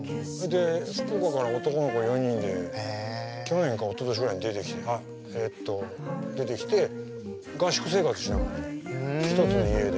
福岡から男の子４人で去年かおととしぐらいに出てきてえっと出てきて合宿生活しながらね一つの家で。